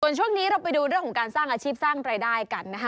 ส่วนช่วงนี้เราไปดูเรื่องของการสร้างอาชีพสร้างรายได้กันนะคะ